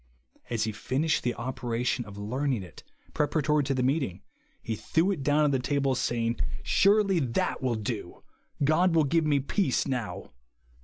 As he finished the operation of learning it, preparatory to the meeting, he threv/ it down on the table, saying, "Surely that will do, God will give me peace now."